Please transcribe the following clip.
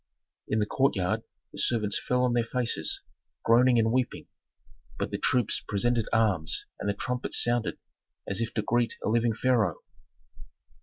In the courtyard, the servants fell on their faces, groaning and weeping, but the troops presented arms and the trumpets sounded, as if to greet a living pharaoh.